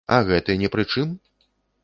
А гэты не пры чым?